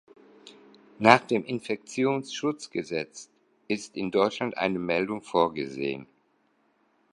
Nach dem Infektionsschutzgesetz ist in Deutschland eine Meldung vorgesehen.